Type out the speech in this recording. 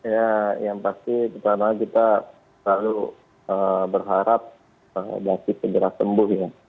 ya yang pasti pertama kita selalu berharap david segera sembuh ya